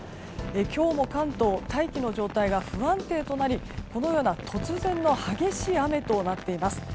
今日の関東大気の状態が不安定となりこのような突然の激しい雨となっています。